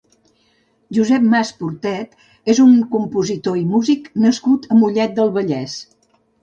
Josep Mas Portet és un compositor i músic nascut a Mollet del Vallès.